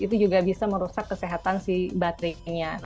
itu juga bisa merusak kesehatan si baterainya